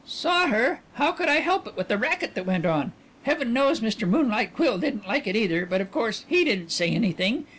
"Saw her! How could I help it with the racket that went on. Heaven knows Mr. Moonlight Quill didn't like it either but of course he didn't say anything.